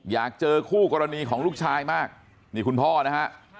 อยากเจอคู่กรณีของลูกชายมากนี่คุณพ่อนะฮะ